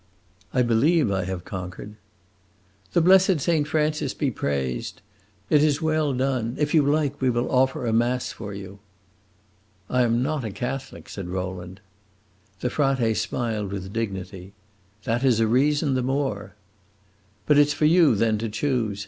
"I believe I have conquered." "The blessed Saint Francis be praised! It is well done. If you like, we will offer a mass for you." "I am not a Catholic," said Rowland. The frate smiled with dignity. "That is a reason the more." "But it 's for you, then, to choose.